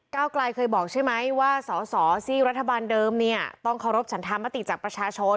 กลายเคยบอกใช่ไหมว่าสอสอซีกรัฐบาลเดิมเนี่ยต้องเคารพฉันธรรมติจากประชาชน